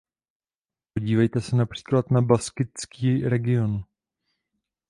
Podívejte se například na baskický region.